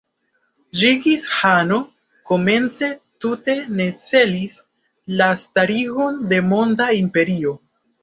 Ĝingis-ĥano komence tute ne celis la starigon de monda imperio.